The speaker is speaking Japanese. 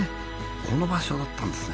この場所だったんですね。